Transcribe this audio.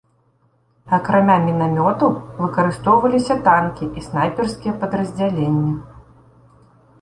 Акрамя мінамётаў выкарыстоўваліся танкі і снайперскія падраздзяленні.